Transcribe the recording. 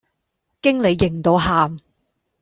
經理型到喊